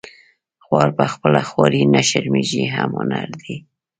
خوار په خپله خواري نه شرمیږي هم هنري دی